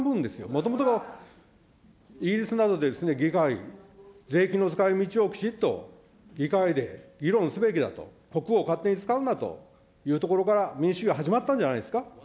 もともとの、などのすでに議会、税金の使いみちをきちっと議会で議論すべきだと、国王が勝手に使うなというところから民主主義は始まったんじゃないですか。